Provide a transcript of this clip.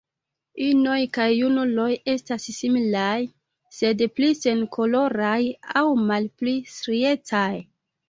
Inoj kaj junuloj estas similaj, sed pli senkoloraj aŭ malpli striecaj.